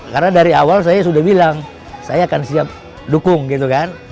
karena dari awal saya sudah bilang saya akan siap dukung gitu kan